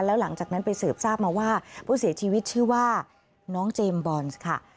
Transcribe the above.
แล้วหลังจากนั้นไปสืบทราบมาว่าผู้เสียชีวิตชื่อว่าน้องเจมส์บอนซ์ค่ะ